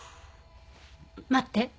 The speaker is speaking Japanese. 待って。